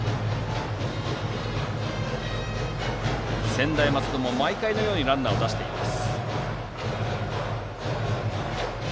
専大松戸も毎回のようにランナーを出しています。